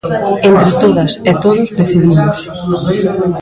Entre todas e todos decidimos.